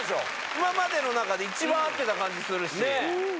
今までの中で一番合ってた感じするし。